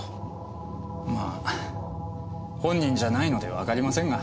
まあ本人じゃないのでわかりませんが。